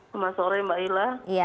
selamat sore mbak ila